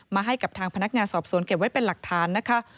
ให้กับทางพนักงานสอบสวนเก็บไว้เป็นหลักฐานนะคะ